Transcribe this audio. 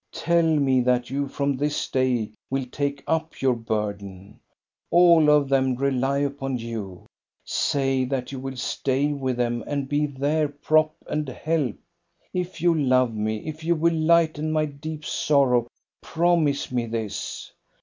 Tell me that you. from this day will take up your burden ! All of them rely upon you. Say that you will stay with them and be their prop and help! If you love me, if you will lighten my deep sorrow, promise me this